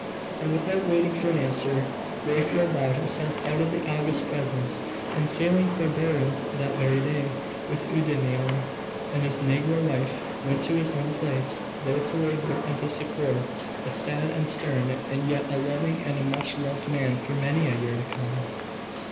And without waiting for an answer, Raphael bowed himself out of the august presence, and sailing for Berenice that very day, with Eudaimon and his negro wife, went to his own place; there to labour and to succour, a sad and stern, and yet a loving and a much loved man, for many a year to come.